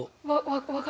分かる。